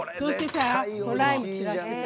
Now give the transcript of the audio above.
ライム散らしてさ。